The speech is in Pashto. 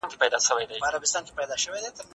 د غريبو خلګو ستونزي بايد حل سي.